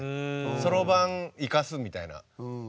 そろばん行かすみたいな感じで。